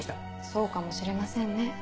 そうかもしれませんね。